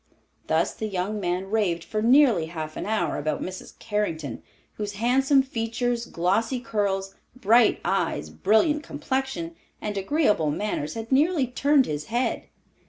Thus the young man raved for nearly half an hour about Mrs. Carrington, whose handsome features, glossy curls, bright eyes, brilliant complexion and agreeable manners had nearly turned his head.